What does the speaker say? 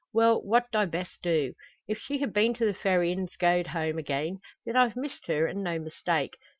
Well, what 'd I best do? If she ha' been to the Ferry an's goed home again, then I've missed her, and no mistake!